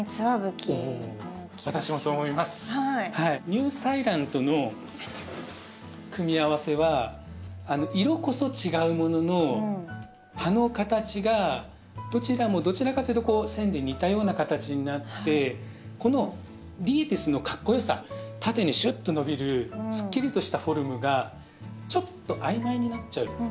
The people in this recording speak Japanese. ニューサイランとの組み合わせは色こそ違うものの葉の形がどちらもどちらかというとこう線で似たような形になってこのディエティスのかっこよさ縦にシュッと伸びるすっきりとしたフォルムがちょっと曖昧になっちゃう。